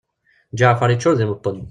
Ǧeɛfer yeččur d iweṭṭen.